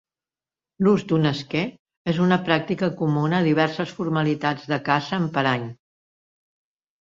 L'ús d'un esquer és una pràctica comuna a diverses formalitats de caça amb parany.